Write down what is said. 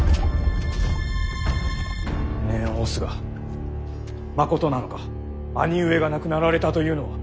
念を押すがまことなのか兄上が亡くなられたというのは。